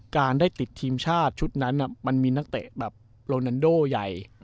การได้ติดทีมชาติชุดนั้นมันมีนักเตะแบบโรนันโดใหญ่